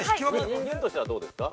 ◆人間としてはどうですか。